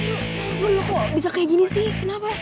aduh tuhan kok bisa kayak gini sih kenapa